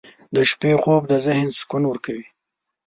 • د شپې خوب د ذهن سکون ورکوي.